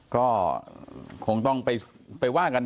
ก็คงต้องไปว่ากัน